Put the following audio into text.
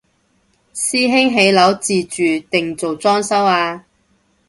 師兄起樓自住定做裝修啊？